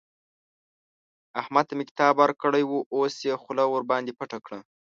احمد ته مې کتاب ورکړی وو؛ اوس يې خوله ورباندې پټه کړه.